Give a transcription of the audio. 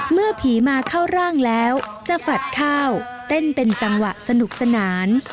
เมื่อผีมาเข้าร่างแล้วจะฝัดข้าวเต้นเป็นจังหวะสนุกสนาน